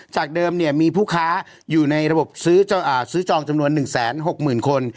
จากเดิมเนี่ยมีผู้ค้าอยู่ในระบบซื้อจองจำนวน๑แสน๐๖หมื่นคน